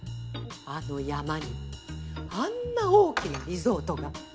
あの山にあんな大きなリゾートが。